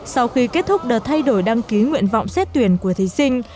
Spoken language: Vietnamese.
sau khi kết thúc đợt thay đổi đăng ký nguyện vọng xét tuyển của thí sinh